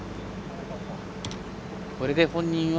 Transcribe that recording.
これで本人は。